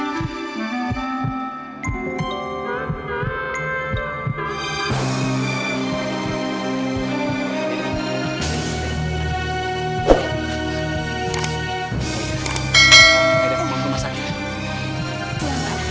ini tapi bukan jadi divine ollut kenyataan